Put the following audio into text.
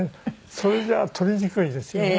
それじゃあ撮りにくいですよね。